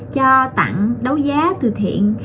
cho tặng đấu giá từ thiện